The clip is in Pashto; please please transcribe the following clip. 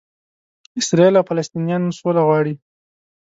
اسراییل او فلسطنینان سوله غواړي.